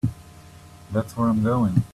That's where I'm going.